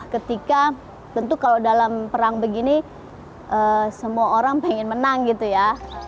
ketika tentu kalau dalam perang begini semua orang pengen menang gitu ya